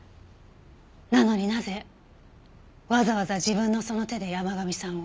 なのになぜわざわざ自分のその手で山神さんを？